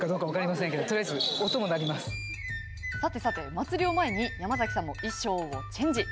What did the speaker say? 祭りを前にヤマザキさんも衣装をチェンジ。